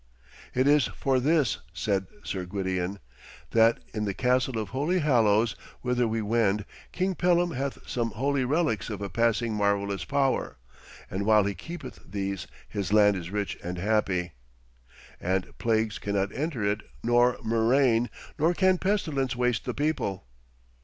'It is for this,' said Sir Gwydion, 'that in the Castle of Holy Hallows, whither we wend, King Pellam hath some holy relics of a passing marvellous power, and while he keepeth these his land is rich and happy, and plagues cannot enter it nor murrain, nor can pestilence waste the people.'